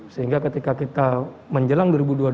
sehingga ketika kita menjelang dua ribu dua puluh